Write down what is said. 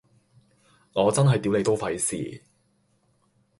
我真係屌你都費事